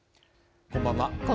こんばんは。